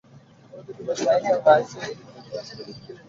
অন্যদিকে পেছনের ডানার নিচের দিকে কালচে ভাব কম, তাতেও আছে লেবু-হলুদ ডোরা।